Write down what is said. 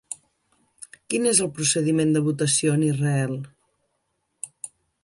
Quin és el procediment de votació en Israel?